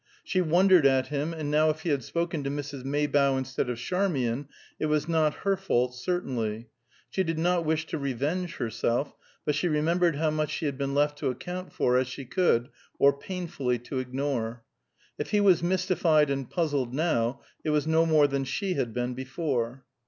She wondered at him, and now if he had spoken to Mrs. Maybough instead of Charmian, it was not her fault, certainly. She did not wish to revenge herself, but she remembered how much she had been left to account for as she could, or painfully to ignore. If he was mystified and puzzled now, it was no more than she had been before.